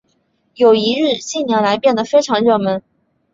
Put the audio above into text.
友谊日近年来变得非常热门。